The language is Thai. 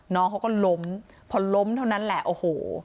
น้องเขาก็ล้มพอล้มเท่านั้นแหละโอ้โห